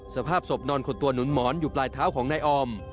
สภาพศพนอนขดตัวหนุนหมอนอยู่ปลายเท้าของนายออม